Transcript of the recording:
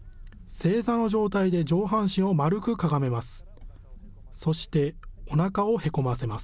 正座の状態で上半身を丸くかがめます。